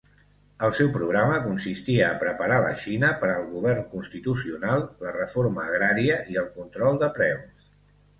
El seu programa consistia a preparar la Xina per al govern constitucional, la reforma agrària i el control de preus.